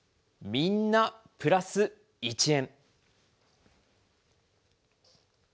みんなプラス１円。